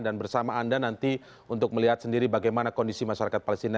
dan bersama anda nanti untuk melihat sendiri bagaimana kondisi masyarakat palestina